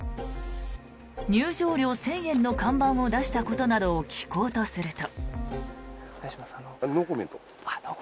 入場料１０００円の看板を出したことなどを聞こうとすると。